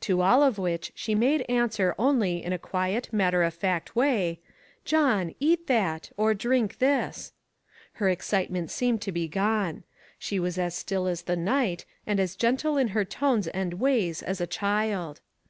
To all of which she made answer only in a quiet, matter of fact way, "John, eat that, or drink this." Her excitement seemed to be gone. She was as still as the night, and as gentle in her tones and ways as a child.